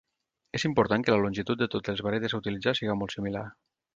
És important que la longitud de totes les varetes a utilitzar siga molt similar.